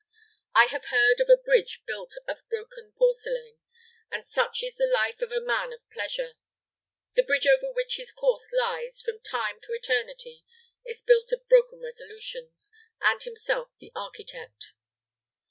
I have heard of a bridge built of broken porcelain; and such is the life of a man of pleasure. The bridge over which his course lies, from time to eternity, is built of broken resolutions, and himself the architect."